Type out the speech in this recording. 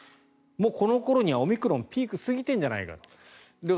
もうこの頃にはオミクロンのピークが過ぎてるんじゃないかと。